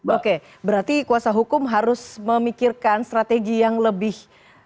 oke berarti kuasa hukum harus memikirkan strategi yang lebih